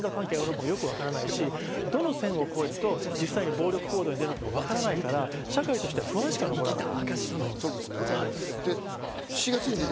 結局どこに因果関係があるかもわからないし、どの線を超えると実際、暴力行動に出るかわからないから社会として不安しか残らない。